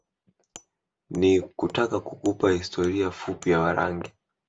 Ni kutaka kukupa historia fupi ya Warangi